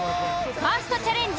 ファーストチャレンジ